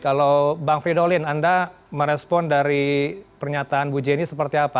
kalau bang fridolin anda merespon dari pernyataan bu jenny seperti apa